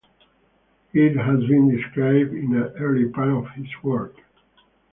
It has been described in an earlier part of this work.